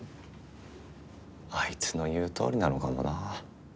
あいつの言うとおりなのかもな。